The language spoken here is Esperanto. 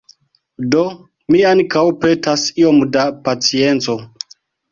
Do mi ankaŭ petas iom da pacienco.